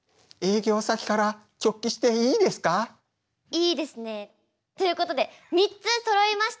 いいですね。ということで３つそろいました。